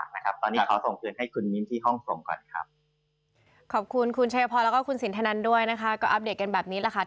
มันโตแบบระเบิด